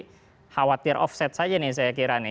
khawatir off set saja nih saya kira nih